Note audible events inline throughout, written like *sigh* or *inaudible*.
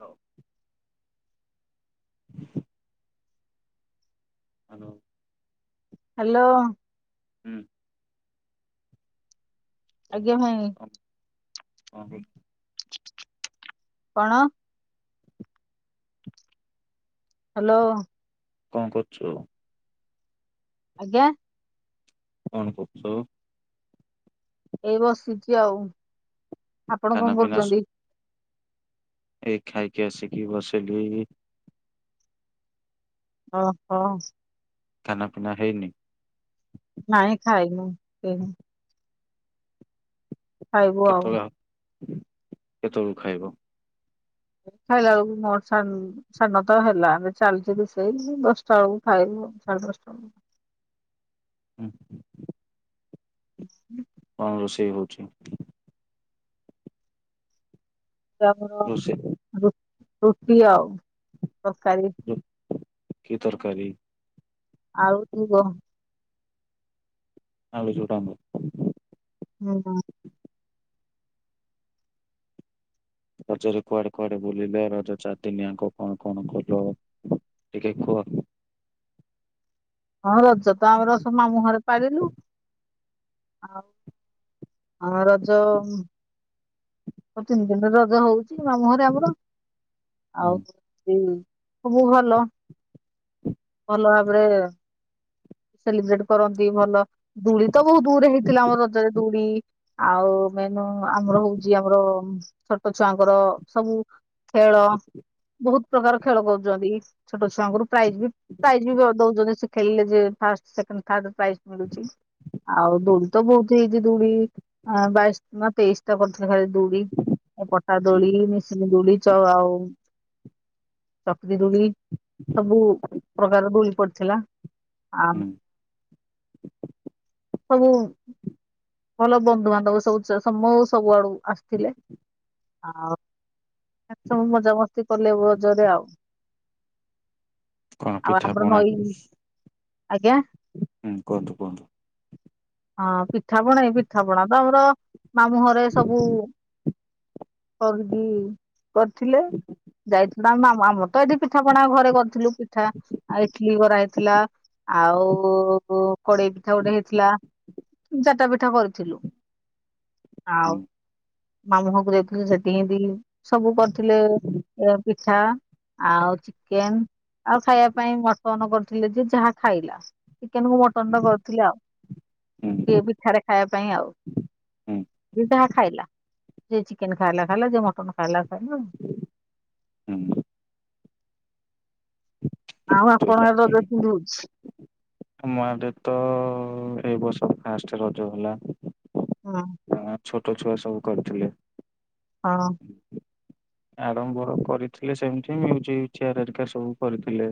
ହଉ। Hello. Hello. ହୁଁ। ଆଜ୍ଞା ଭାଇ *unintelligible* କଣ? ହ୍ୟାଲୋ। କଣ କରୁଚୁ? ଆଜ୍ଞା। କଣ କରୁଛ? ଏଇ ବସିଛି ଆଉ ଆପଣ ଖାନା କଣ ପିନା ସ କରୁଛନ୍ତି? ଏଇ ଖାଇକି ଆସିକି ବସିଲି। ଓ ହୋ। ଖାନା ପିନା ହେଇନି? ନାଇଁ ଖାଇନୁ ହେଇନି। ଖାଇବୁ ଆଉ କେତେଳେ ହ କେତବେଳ କୁ ଖାଇବ? ଖାଇଲା ବେଳକୁ। *unintelligible* ସାଢ଼େ ନ ତ ହେଲା ଏବେ ଚାଲିଚି ରୁଷେଇ ଦଶଟା ବେଳକୁ ଖାଇବୁ ସାଢେ ଦଶଟା ଏଳକୁ। ହୁଁ ହଁ। *unintelligible* କଣ ରୋଷେଇ ହଉଛି? ଆଜି ଆମର ରୋଷେଇ ରୁ ରୁଟି ଆଉ ତରକାରୀ। କି ତରକାରୀ? ଆଉ ତୁ କହ। ଆଳୁ ଯୋଉଟା ହୁଏ। ହୁଁ ହ। ରଜରେ କୁଆଡ଼େ କୁଆଡ଼େ ବୁଲିଲେ ରଜ ଚାରିଦିନି ଆଙ୍କ କଣ କଣ କଲ? ଟିକେ କୁହ। ହଁ ରଜ ତ ଆମର ସ ମାମୁ ହରେ ପାଳିଲୁ ଆଉ। ଆର ରଜ ତିନି ଦିନ ରଜ ହଉଛି ମାମୁ ହରେ ଆମର। ଆଉ ହୁଁ ଯଉ ସବୁ ଭଲ। ଭଲ ଭାବରେ ସେଲିବ୍ରେଟ କରନ୍ତି ଭଲ। ଦୂଳି ତ ବହୁତ ଦୂରେ ହେଇଥିଲା ଆମର ରଜରେ ଦୁଳି ଆଉ ମେନ ଆମର ହଉଛି ଆମର ଛୋଟ ଛୁଆଙ୍କର ସବୁ ଖେଳ ବହୁତ ପ୍ରକାର ଖେଳ କରୁଛନ୍ତି ଛୋଟ ଛୁଆଙ୍କୁ ପ୍ରାଇଜ ବି ପ୍ରାଇଜ ବି ଦଉଛନ୍ତି। ଖେଳିଲେ ଯିଏ ଫାଷ୍ଟ ସେକେଣ୍ଡ ଥାର୍ଡ ପ୍ରାଇଜ ମିଳୁଛି। ଆଉ ଦୋଳି ତ ବହୁତୁ ହେଇଛି ଦୁଳି ବାଇଶ ନାଁ ତେଇଶିଟା କରି ସେ ଘରେ ଦୋଳି ପଟା ଦୋଳି ହୁଁ ମସିନି ଦୋଳି ଚ ଆଉ ଚକ୍ରି ଦୋଳି ସବୁ ପ୍ରକାର ଦୋଳି ପଡିଥିଲା। ଆମ୍ ହୁଁ ସବୁ ଭଲ ବନ୍ଧୁବାନ୍ଧବ ସବୁ ସମ ସବୁଆଡୁ ଆସିଥିଲେ ଆଉ ସବୁ ମଜାମସ୍ତି କଲେ ବୋଜୋରେ ଆଉ। କଣ ଆଉ ପିଠା ଆମର ପଣା ନଈ ହୁଁ ଆଜ୍ଞା ହୁଁ କୁହନ୍ତୁ କୁହନ୍ତୁ। ହଁ ପିଠାପଣା କି ପିଠାପଣା ତ ଆମର ମାମୁଁହଁରେ ସବୁ କର କି କରିଥିଲେ ଯାଇ ବା ଆମ ଆମର ତ ଏଠି ପିଠାପଣା ଘରେ କରିଥିଲୁ ପିଠା ଇଟିଲିି କରା ହେଇଥିଲା। ଆଉ ଉ କୁ କଡେଇ ପିଠା ଗୋଟେ ହେଇଥିଲା। ଚାଟା ପିଠା କରିଥିଲୁ ଆଉ ହୁଁ ମାମୁହଁକୁ ଯାଇଥିଲି ସେଠି ହିଁତି ସବୁ କରିଥିଲେ। ପି ଠା ଆଉ ଚିକେନ। ଆଉ ଖାଇବା ପାଇଁ ମଟନ କରିଥିଲେ ଯେ ଯାହା ଖାଇଲା। ଚିକେନ କୁ ମଟନ ଟା କରୁଥିଲେ ଆଉ ହୁଁ ସିଏ ପିଠାରେ ଖାଇବା ପାଇଁ ଆଉ ହୁଁ ଯିଏ ଯାହା ଖାଇଲା ଯିଏ ଚିକେନ ଖାଇଲା ଖାଇଲା ଯିଏ ମଟନ ଖାଇଲା ଖାଇଲା ହୁଁ। ଆଉ ଆପଣ ଏବେ *unintelligible* ହଉଚି। ଆମ ଆଡେ ତ ଏଇ ବର୍ଷ ଫାଷ୍ଟେ ରଜ ହେଲା। ହଁ। ହଁ ଛୋଟ ଛୁଆ ସବୁ କରୁଥିଲେ। ହଁ। ହୁଁ ହୁଁ। ଆରମ୍ଭ ରୁ କରିଥିଲେ ସେମିତି ମ୍ୟୁଜିକ ଚେୟାର ହେରିକା ସବୁ କରିଥିଲେ।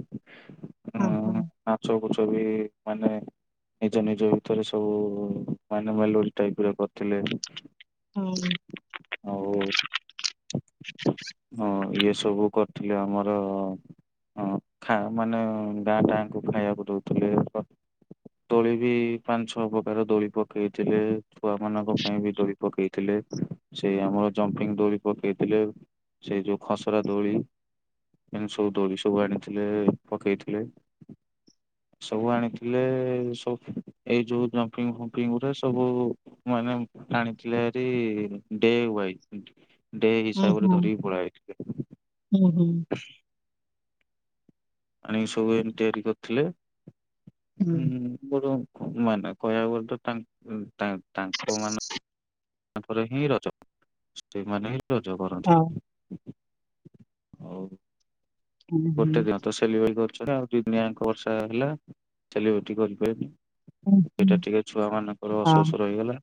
ହୁଁ। ଉଁ ନାଚ କୁଚ ବି ମାନେ ନିଜ ନିଜ ଭିତରେ ସବୁ ମାନେ ମେଲୋଡି ଟାଇପର କରିଥିଲେ। ହୁଁ। ଆଉ ହଁ ଇଏ ସବୁ କରିଥିଲେ ଆମର ଅ-ଅ ହଁ ଥା ମାନେ ଗାଁ ଟାଙ୍କୁ ଖାଇବାକୁ ଦଉଥିଲେ ପ ଦୋଳି ବି ପାଞ୍ଚ ଛଅ ପ୍ରକାର ଦୋଳି ପକେଇଥିଲେ ଛୁଆ ମାନଙ୍କ ପାଇଁ ବି ଦୋଳି ପକେଇଥିଲେ ସେ ଆମର ଜମ୍ପିଂ ଦୋଳି ପକେଇଥିଲେ। ସେଇ ଯୋଉ ଖସରା ଦୋଳି ଏ ସବୁ ଦୋଳି ସବୁ ଆଣିଥିଲେ ପକେଇଥିଲେ। ସବୁ ଆଣିଥିଲେ ସବ ଏଇ ଯୋଉ ଜମ୍ପିଙ୍ଗ ଫମ୍ପିଙ୍ଗରେ ସବୁ ମାନେ ଆଣିଥିଲେ ହେରି ଡେୱାଇ। ଡେ ହୁଁ ହିସାବରେ ହୁଁ ଧରିିକି ପାଳଆଇଥିଲେ। ହୁଁ ହୁଁ ଆଣିକି ସବୁ ଏନ ତିଆରି କରିଥିଲେ ହୁଁ ହୁଁ ଉମ ବଡ ଆମ ମାନେ କହିବାକୁ ଗଲେ ତ ତାଙ୍କ ତାଙ୍କ ମାନେ ତାଙ୍କର ହିଁ ରଜ ସେମାନେ ହିଁ ରଜ କରନ୍ତି। ହଁ ଆଉ ହୁଁ ଗୋଟେ ହୁଁ ଦିନ ତ ସେଲିବ୍ରେ କରିଛନ୍ତି ଆଉ ଦି ଦିଆଙ୍କ ବର୍ଷା ହେଲା ସେଲିବ୍ରେଟି କରିପାଲେନି। ହୁଁ ହୁଁ ସେଟା ଟିକେ ଛୁଆ ମାନଙ୍କର ହଁ ଅସୋସ୍ ରହିଗଲା।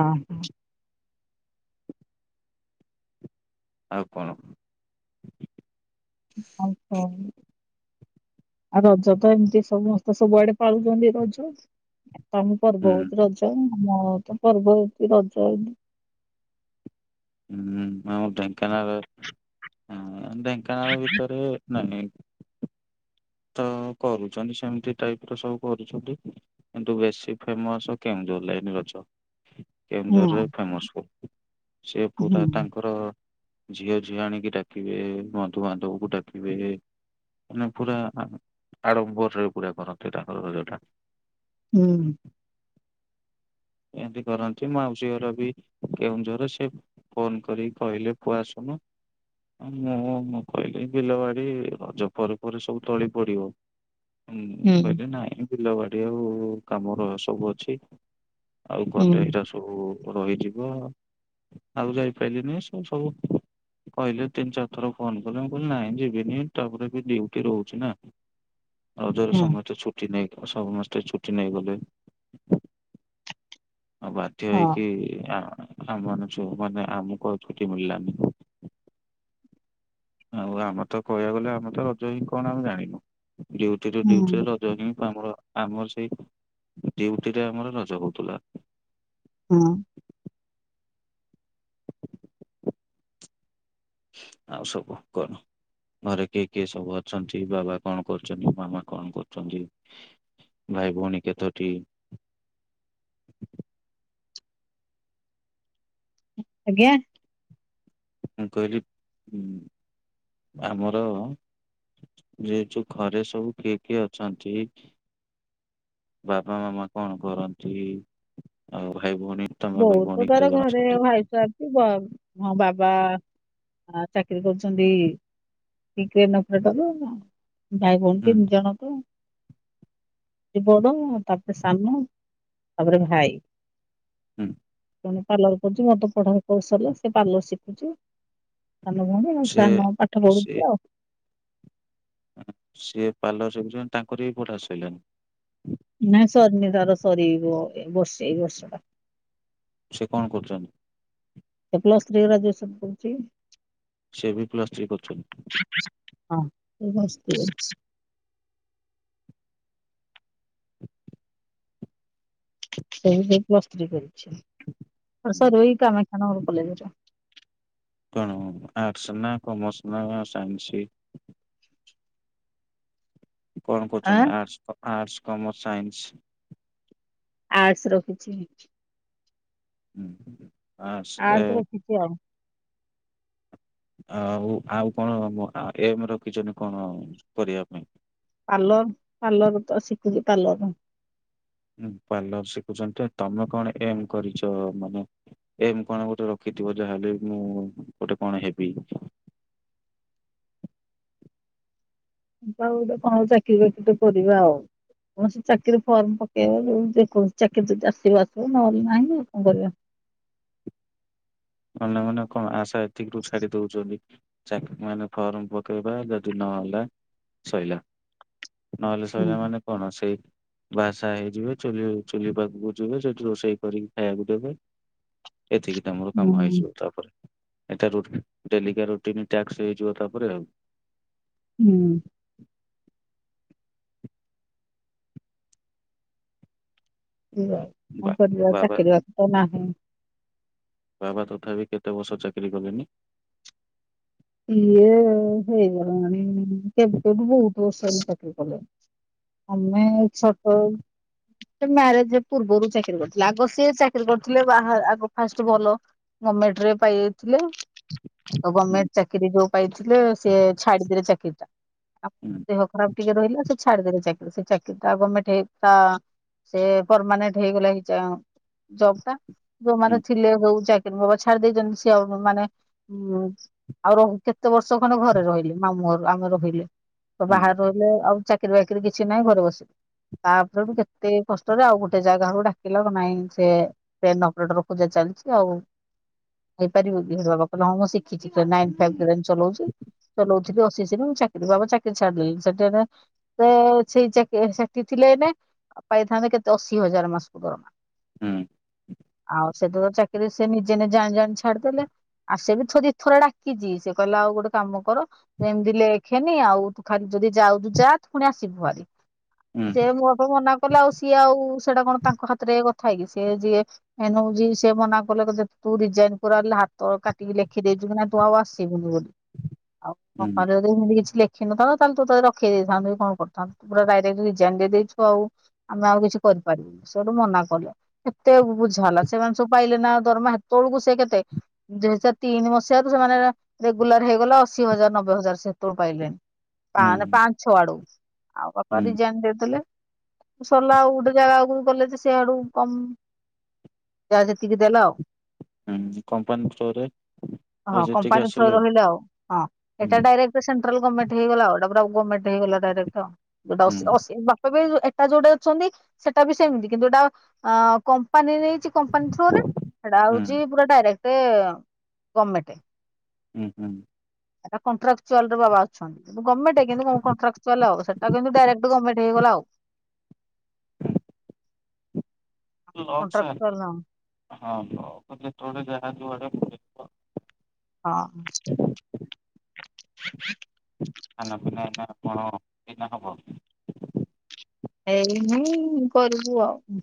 ହଁ ହଁ। ଆଉ କଣ? *unintelligible* ଆଉ ରଜ ତ ଏମିତି ସମସ୍ତେ ସବୁଆଡେ ପାଳୁଛନ୍ତି ରଜ। ତମ ପର୍ବ ହୁଁ ହଉଚି ରଜ ଆମ ତ ପର୍ବ ହଉଚି ରଜ ଏ ହୁଁ ହୁଁ ଆଉ ଢେଙ୍କାନାଳ ହୁଁ ଢେଙ୍କାନାଳ ଭିତରେ ନାଇ ନାଇଁ ତ କରୁଛନ୍ତି ସେମିତି ଟାଇପ୍ ର ସବୁ କରୁଛନ୍ତି। କିନ୍ତୁ ବେଶୀ ଫେମସ କେଉଁଝର ଲାଇନ୍ ଗଛ। କେଉଁଝରରେ ହଁ ଫେମସ ସେ ପୁରା ହୁଁ ତାଙ୍କର ଝିଅ ଝିଅ ଆଣିକି ଡାକିବେ ବନ୍ଧୁବାନ୍ଧବକୁ ଡାକିବେ ମାନେ ପୁରା ହାଁ ଆଡ଼ମ୍ବରରେ ପୁରା କରନ୍ତି ତାଙ୍କର ରଜଟା। ହୁଁ। ଏମିତି କରନ୍ତି ମାଉସୀ ଘର ବି କେଉଁଝର ସେ ଫୋନ୍ କରିକି କହିଲେ ପୁଅ ଆସୁନୁ। ମୁଁ ମୁଁ କହିଲି ବିଲବାଡି ରଜ ପରେ ପରେ ସବୁ ତଳି ପଡ଼ିବ। ହୁଁ କହିଲି ନାଇଁ ବିଲ ବାଡ଼ି ଆଉ କାମର ସବୁ ଅଛି। ଆଉ ହୁଁ ଗଲେ ଏଇଟା ସବୁ ରହିଯିବ ଆଉ ଯାଇପାଇଲିନି ସୁ ସବୁ କହିଲେ ତିନି ଚାରି ଥର ଫୋନ୍ କଲେ ମୁଁ କହିଲି ନାଇଁ ଯିବିନି ତାପରେ ବି ଡିଉଟି ରହୁଛି ନା। ରଜରେ ହଁ ସମସ୍ତେ ଛୁଟି ନେଇ ସମସ୍ତେ ଛୁଟି ନେଇଗଲେ। ଆଉ ବାଧ୍ୟ ହେଇକି ଆ-ଆମମାନ ମାନେ ଆମକୁ ଆଉ ଛୁଟି ମିଳିଲାନି। ଆଉ ଆମେ ତ କହିବାକୁ ଗଲେ ଆମେ ତ ରଜ ହିଁ କଣ ଆମେ ଜାଣିନୁ ଡିଉଡିରୁ ହୁଁ ଡିଉଟିରେ ରଜ ହିଁ ଆମର ଆମର ସେଇ ଡିଉଟିଟା ଆମର ରଜର ହଉଥିଲା। ହଁ। ଆଉ ସବୁ କଣ ଘରେ କିଏ କିଏ ସବୁ ଅଛନ୍ତି ବାବା କଣ କରୁଛନ୍ତି? ମାମା କଣ କରୁଛନ୍ତି? ଭାଇ ଭଉଣୀ କେତୋଟି? ଆଜ୍ଞା ମୁଁ କହିଲି ଉ ଆମର ଯେ ଯୋ ଘରେ ସବୁ କିଏ କିଏ ଅଛନ୍ତି? ଏ ବାପା ମାମା କଣ କରନ୍ତି, ଆଉ ଭାଇ ଭଉଣୀ ତମେ ଭାଇ ବହୁତ ଭଉଣୀ କେତେ ତାର ଜଣ ଘରେ ଅଛନ୍ତି? ଭାଇସା ବାବ୍ ହଁ ବାବା ଚାକିରି କରୁଛନ୍ତି। କ୍ରେନ୍ ଅପରେଟର ଭାଇ ଭଉଣୀ ହୁଁ ତିନି ଜଣ କୁ ସି ବଡ଼ ତାପରେ ସାନ ତାପରେ ଭାଇ ହୁଁ। ପାର୍ଲର କରୁଛି ମତେ ପଢା କୌଶଲ ସେ ପାର୍ଲର ଶିଖୁଛି ସାନ ଭଉଣୀ ସେ ସାନ ପାଠ ସେ ପଢୁଛିି ଆଉ ସିଏ ପାର୍ଲରରେ ଜଣେ ତାଙ୍କର ବି ପଢ଼ା ସଇିଲାଣି। ନାଇଁ ନିରାର ସରିବ ବର୍ଷେ ଏଇ ବର୍ଷ ଟା ସେ କଣ କରୁଛନ୍ତି। ସେ ପ୍ଲ ସ୍ତ୍ରୀ ଗ୍ରଜୁଏସନ୍ କରୁଛି। ସେ ବି ପ୍ଲସ୍ ଥ୍ରୀ କରୁଛନ୍ତି। ହଁ ପ୍ଲସ୍ ଥ୍ରୀ କରୁଛି ସେଇ ବି ସେଇ ପ୍ଲସ୍ ଥ୍ରି କରୁଛି ହଁ ସାର୍ ହୁଁ। ଏଇ କାମାକ୍ଷାନଗର କଲେଜ୍ରେ କଣ ଆର୍ଟସ୍ ନା କମର୍ସ ନା ସାଇନ୍ସି କଣ କହୁଛନ୍ତି ଆଁ arts arts commerce science. Arts ରଖୁଛି। ହୁଁ ହୁଁ ହୁଁ। ଆର୍ଟସ୍ ରଖିଛି ଆଉ। ଆଉ ଆଉ କଣ ଏମ୍ ରଖିଛନ୍ତି କଣ କରିବା ପାଇଁ। ପାର୍ଲର ପାର୍ଲର ତ ଶିଖୁଛି କାଲର ପାର୍ଲର ଶିଖୁଛନ୍ତି ତ ତମେ କଣ ଏମ୍ କରିଛ ମାନେ। ଏମ୍ କଣ ଗୋଟେ ରଖିଥିବ ଯାହାହେଲେ ମୁଁ ଗୋଟେ କଣ ହେବି? ଆଉ କଣଉ ଚାକିରରି ବାକିରି ଟେ କରିବା ଆଉ। କୌଣସି ଚାକିରି ଫର୍ମ ପକେଇବା ଜେକୌଣସି ଚାକିରି ଯଦି ଆସିବା ଆସିବ ନହେଲେ ନାହିଁ ଆଉ କଣ କରିବା। ଅନ୍ୟମାନେ କଣ ଆଶା ଏତିକରୁୁ ଛାଡ଼ି ଦଉଛନ୍ତି। ଚାକିର ମାନେ ଫର୍ମ ପକେଇବା ଯଦି ନହେଲା ସଇଲା। ନହେଲେ ହୁଁ। ସଇିଲା ମାନେ କଣ ସେଇ ବାହା ସାହା ହେଇଯିବେ ଚୁଲି ଚୁଲି ପାଖକୁ ଯିବେ ସେଠି ରୋଷେଇ କରିକି ଖାଇବାକୁ ଦେବେ। ଏତିକି କାମ। ହୁଁ କମ ହେଇଯିବ ତାପରେ ଏଠା ରୁଟି ଡେଲିିକା ରୁଟିନ୍ ଟ୍ୟାକ୍ସ ହେଇଯିବ ତାପରେ ଆଉ। ହୁଁ। ସେୟା ବା କଣ କରିଆ ବାବା ଚାକିରି ବାକିରି ତ ନାହିଁ। ବାବା ତଥାପି କେତେ ବର୍ଷ ଚାକିରି କଲେନି? ଇଏ ହେଇଗଲାଣି କେବେଠୁ ବହୁତ ବର୍ଷହେଲା ଚାକିରି କଲେଣି। ଆମେ *unintelligible* ସେ ମ୍ୟାରେଜ ପୂର୍ବରୁ ଚାକିରି କରିଥିଲେ ଆଗ ସିଏ ଚାକିରି କରିଥିଲେ ବାହା ଅଗ ଫାଷ୍ଟ ଭଲ ଗମେଟରେ ପାଇ ଥିଲେ ଆ ହୁଁ ଗମେଣ୍ଟ ଚାକିରୀ ଯୋଉ ପାଇଥିଲେ ସିଏ ଛାଡିଦେଲେ ଚାକିରି ଟା। ହୁଁ। ଦେହ ଖରାପ ଟିକେ ରହିଲା ସେ ଛାଡିଦେଲେ ଚାକିରି ସେ ଚାକିରି ଟା ଗୋର୍ମେଣ୍ଟ *unintelligible* ସେ ପରମାନେଣ୍ଟ ହେଇଗଲା ଏଇ ଜବ ଟା। ଯୋଉମାନେ ହୁଁ ଥିଲେ ଯୋଉ ଚାକିରୀ ବଗ ଛାଡ଼ି ଦେଇଛନ୍ତି ସିଏ ଆଉ ମାନେ ଉ ଆଉ ର କେତେ ବର୍ଷ ଖଣ୍ଡେ ଘରେ ରହିଲେ ମାମୁଁରୁ ଆମେ ରହିଲେ ତ ବାହାରେ ରହିଲେ ଆଉ ଚା କୀରି ବାକିରି କିଛି ନାହିଁ ଘରେ ବସିବି ତାପରଠୁ କେତେ କଷ୍ ଷ୍ଟ ରେ ଆଉ ଗୋଟେ ଜାଗାକୁ ଡାକିଲା ନାଇଁ ସେ ଟେନ ଅପରେଟର ଖୋଜା ଚାଲିଛି ଆଉ ହେଇପାରିବ କି ତା ବାପା କହିଲେ ହଁ ମୁଁ ଶିଖିଛି *unintelligible* ସେଠି ବସିଛି ମୁଁ ଚାକିରି ବାବା ଚାକିରି ଛାଡ଼ିଦେଲି *unintelligible* ସେ ସେଇ ଚାକ ସେଠୀ ଥିଲେ ଏଇନେ ପାଇଥାନ୍ତେ କେତେ ଅଶି ହଜାର ମାସକୁ ଦରମା। ହୁଁ। ଆଉ ସେଥି ତ ଚାକିରି ସେ ନିଜେ ନି ଜାଣି ଜାଣି ଛାଡିଦେଲେ ଆ ସେ ବି ଥୋଡ଼ି ଥରେ ଡାକିଛି ସେ କହିଲା ଆଉ ଗୋଟେ କାମ କର ଏମିତି ଲେଖେନି ଆଉ ତୁ ଖାଲି ଯଦି ଯାଉଛୁ ଯା ତୁ ପୁଣି ଆସିବୁ ଭାରି। ହୁଁ ସିଏ ହୁଁ ମୋ ପାଇଁ ମନା କଲେ ଆଉ ସିଏ ଆଉ ସେଟା କଣ ତାଙ୍କ ହାତରେ କଥା କି ସିଏ ଯିଏ ଏନୁ ସେ ମନା କଲେ ତୁ ରିଜାଇନ କର ହାତ କାଟିକି ଲେଖ। ଖି ଦେଇ ଜିବୁନାଇଁ ତୁ ଆଉ ଆସିବୁନି ବୋଲି ଆଉ କଣ ହୁଁ କରିବ ହେ କିଛି ଲେଖିନଥାନ୍ତ ତାହାଲେ ତତେ ରଖେଇ ଦେଇଥାନ୍ତୁ କି କଣ କରିଥାନ୍ତୁ ତୁ ପୁରା ଡାଇରେକ୍ଟ ରିଜାଇନ ଦେଇଦେଇଛୁ ଆଉ। ଆମେ ଆଉ କିଛି କରିପାରିବୁନି ସେଠୁ ମନା କଲେ। କେତେ ବୁଝା ହେଲା ସେମାନେ ସବୁ ପାଇଲେ ନା ଦରମା ହେତେବେଳକୁ ସେ କେତେ ଦୁଇ ହଜାର ତିନି ମସିହା ରୁ ସେମାନେ ରେଗୁଲାର ହେଇଗଲା ଅଶି ହଜାର ନବେ ହଜାର ସେତେବେଳୁ ପାଇଲେଣି। ପାନ ହୁଁ ପାଞ୍ଚ ଛ ଆଡ଼କୁ ଆଉ ପାପା ହୁଁ ରିଯାଇନ୍ ଦେଇଦେଲେ। ସରିଲା ଆଉ ଗୋଟେ ଜାଗାକୁ ଗଲେ ଯେ ସେଆଡୁ କମ ଯାହା ଯେତିକି ଦେଲା ଆଉ। ହୁଁ କମ୍ପାନୀଷ୍ଟୋରରେ। ହଁ କମ୍ପାନୀ ଥ୍ରୋ ରହିଲେ ଆଉ ହଁ ହୁଁ ଏଇଟା ଡାଇରେକ୍ଟ। ସେଣ୍ଟ୍ରାଲ ଗଭର୍ଣ୍ମେଣ୍ଟ ହେଇଗଲା ଆଉ ଏଟା ପରା ଗମେଣ୍ଟ ହେଇଗଲା ଡାଇରେକ୍ଟ *unintelligible* ବି ହୁଁ ଏଟା ଯୋଉଟା ଅଛନ୍ତି ସେଟା ବି ସେମିତି କିନ୍ତୁ ଏଟା କମ୍ପାନୀ ନେଇଛି କମ୍ପାନୀ ଥ୍ରୋରେ ସେଟା ହୁଁ ହଉଛି ପୁରା ଡାଇରେକ୍ଟ ଗମେଣ୍ଟ। ହୁଁ ହୁଁ। ଏ କଣ୍ଟ୍ରାକ୍ଚୁଆଲ ରେ ବାବା ଅଛନ୍ତି। ଗମେଣ୍ଟ କିନ୍ତୁ କଣ୍ଟ୍ରାକ୍ଚୁଆଲ ଆଉ ସେଟା କିନ୍ତୁ ଡାଇରେକ୍ଟ ଗମେଣ୍ଟ ହେଇଗଲା ଆଉ। ଲକ୍ ସାର୍ କଣ୍ଟ୍ରାକ୍ଚୁଆଲ ହଁ ଲକ ରେ ଯେତେବେଳେ ଯାହା ଯୋଉଆଡ଼େ ହଁ ହଁ। *inaudible* ଖାନା ପିନା ଏଇନ କଣ ଏଇନା ହବ? ଏଇ ହିଁ କରିବୁ ଆଉ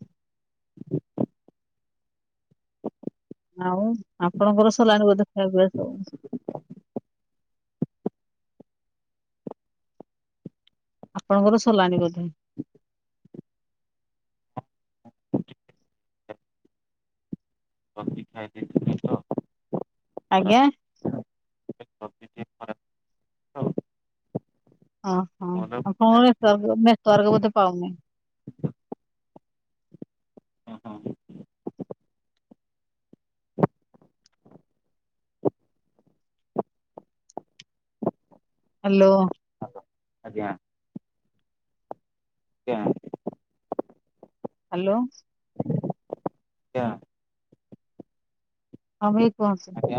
ଆଉ ଆପଣଙ୍କର ସରିଲାଣି ବୋଧେ ଖିଆ ପିଆ ସବୁ? ଆପଣଙ୍କର ସରିଲାଣି ବୋଧେ? ରାତି ଖାଇ ଦେଇଥିଲି ତ। ଖରାପ ଆଜ୍ଞା। ଛତି ଟିକେ ଖରାପ ତ ଅ ହଁ ଭଲ ଖାଇଦେଲି ଆଉ। ଆପଣଙ୍କର ନେଟୱାର୍କ ବୋଧେ ପାଉନି? ହଁ ହଁ ହ୍ୟାଲୋ। ଆଜ୍ଞା। ଆଜ୍ଞା ହ୍ୟାଲୋ। ଆଜ୍ଞା ହଁ ଭାଇ କୁହ। ଆଜ୍ଞା।